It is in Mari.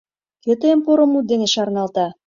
Кӧ тыйым поро мут дене шарналта?